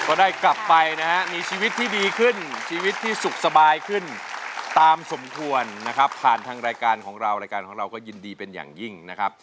ได้กลับไปนะฮะมีชีวิตที่ดีขึ้นชีวิตที่สุขสบายขึ้นตามสมควรนะครับผ่านทางรายการของเรารายการของเราก็ยินดีเป็นอย่างยิ่งนะครับ